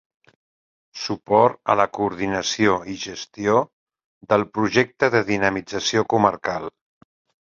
Suport a la coordinació i gestió del projecte de dinamització comarcal.